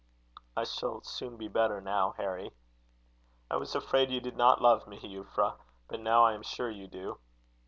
"I shall soon be better now, Harry." "I was afraid you did not love me, Euphra; but now I am sure you do."